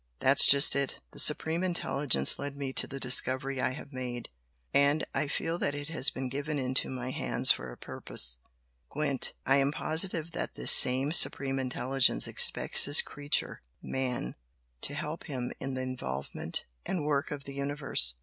"That's just it! The Supreme Intelligence led me to the discovery I have made and I feel that it has been given into my hands for a purpose. Gwent, I am positive that this same Supreme Intelligence expects his creature, Man, to help Him in the evolvement and work of the Universe!